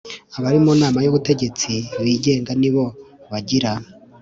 Abari mu nama y ubutegetsi bigenga nibo bagira